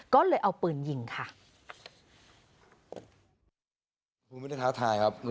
ก็เลยเอาปืนยิงค่ะ